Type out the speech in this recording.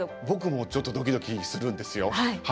僕もちょっとドキドキするんですよ。